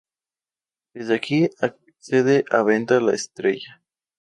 Desde aquí accede a Venta la Estrella.